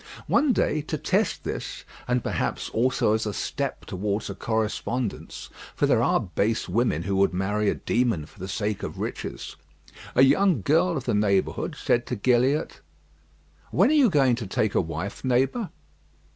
One day, to test this, and perhaps, also as a step towards a correspondence for there are base women who would marry a demon for the sake of riches a young girl of the neighbourhood said to Gilliatt, "When are you going to take a wife, neighbour?"